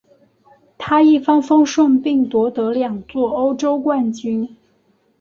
他一帆风顺并夺得两座欧洲冠军。